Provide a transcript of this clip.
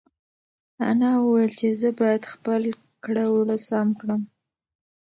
انا وویل چې زه باید خپل کړه وړه سم کړم.